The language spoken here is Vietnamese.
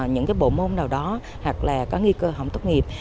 nhằm củng cố kiến thức cho học sinh yếu